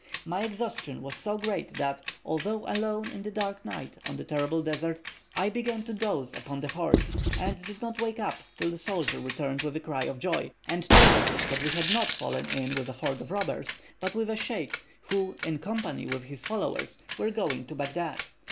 My exhaustion was so great that, although alone in this dark night on the terrible desert, I began to doze upon the horse, and did not wake up till the soldier returned with a cry of joy, and told us that we had not fallen in with a horde of robbers, but with a sheikh, who, in company with his followers, were going to Baghdad.